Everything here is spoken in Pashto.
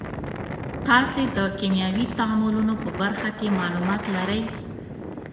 تاسې د کیمیاوي تعاملونو په برخه کې معلومات لرئ.